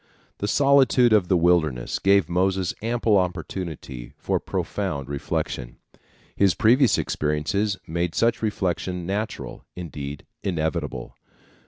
The solitude of the wilderness gave Moses ample opportunity for profound reflection. His previous experiences made such reflection natural, indeed inevitable.